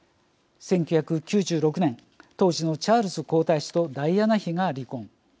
１９９６年当時のチャールズ皇太子とダイアナ妃が離婚。